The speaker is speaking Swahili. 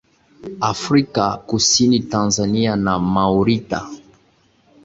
afrika kusini tanzania na maurita